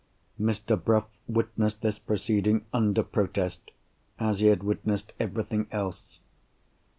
Mr. Bruff witnessed this proceeding, under protest, as he had witnessed everything else.